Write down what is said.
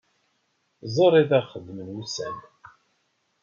Ẓer i d aɣ-xedmen wussan.